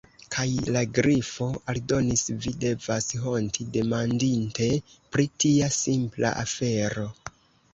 Kaj la Grifo aldonis: "Vi devas honti, demandinte pri tia simpla afero."